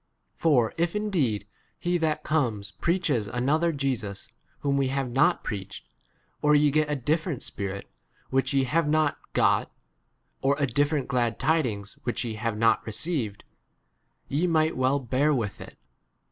For if ind >ed he that comes preaches another Jesus whom we have not preached, or ye get a different Spirit which ye have not got, or a different glad tidings which ye have not received, ye might well 5 bcir with [it].